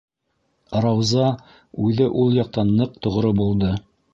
Рауза үҙе ул яҡтан ныҡ тоғро булды.